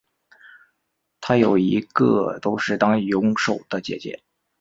她有一个都是当泳手的姐姐。